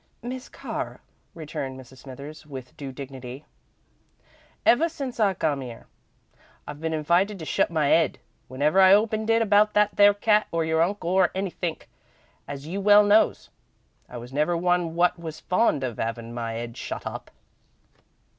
"Miss Carr," returned Mrs. Smithers, with due dignity, "ever since I come 'ere, I've been invited to shut my 'ead whenever I opened it about that there cat or your uncle or anythink, as you well knows. I was never one wot was fond of 'avin' my 'ead shut up."